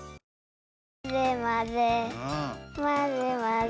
まぜまぜまぜまぜ！